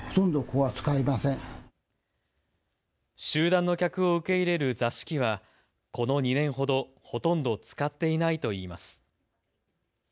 集団の客を受け入れる座敷はこの２年ほど、ほとんど使っていないといいます。